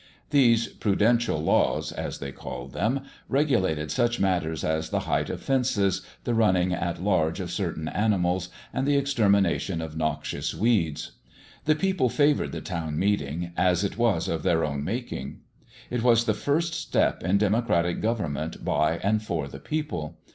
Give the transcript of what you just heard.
These "Prudential Laws", as they called them, regulated such matters as the height of fences, the running at large of certain animals, and the extermination of noxious weeds. The people favoured the town meeting, as it was of their own making. It was the first step in democratic government by and for the people.